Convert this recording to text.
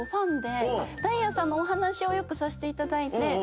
ダイアンさんのお話をよくさせていただいて。